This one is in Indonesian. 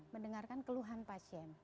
mendengarkan keluhan pasien